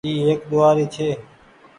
اي ايڪ ڏوهآري ڇي۔